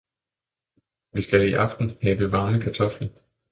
– vi skal i aften have varme kartofler!